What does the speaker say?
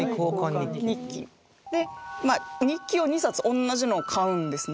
日記を２冊同じのを買うんですね。